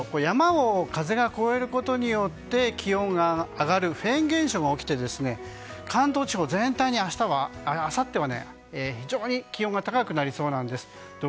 あさって昼間、フェーン現象山を風が越えることによって気温が上がるフェーン現象が起きて関東地方、全体にあさっては非常に気温が高くなりそうなんです。